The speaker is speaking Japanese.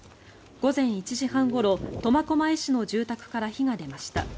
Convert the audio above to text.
午前１時半ごろ苫小牧市の住宅から火が出ました。